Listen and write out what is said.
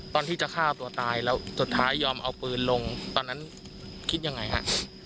ตอนที่จะฆ่าตัวตายแล้วสุดท้ายยอมเอาปืนลงตอนนั้นคิดยังไงฮะ